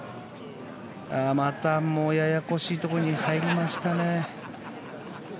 また、ややこしいところに入りましたね。